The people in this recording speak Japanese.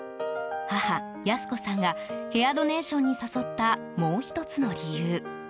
母・康子さんがヘアドネーションに誘ったもう１つの理由。